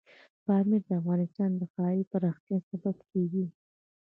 پامیر د افغانستان د ښاري پراختیا سبب کېږي.